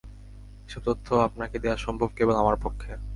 এসব তথ্য আপনাকে দেয়া সম্ভব কেবল আমার পক্ষে।